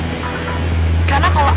karena kalau anak geng motor sejati